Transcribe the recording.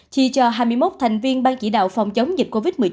chi cho hai mươi một thành viên ban chỉ đạo phòng chống dịch covid một mươi chín